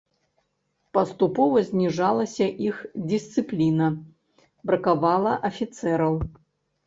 Паступова зніжалася іх дысцыпліна, бракавала афіцэраў.